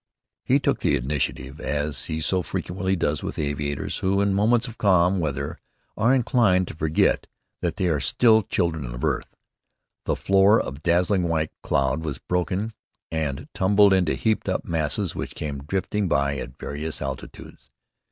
He took the initiative, as he so frequently does with aviators who, in moments of calm weather, are inclined to forget that they are still children of earth. The floor of dazzling white cloud was broken and tumbled into heaped up masses which came drifting by at various altitudes.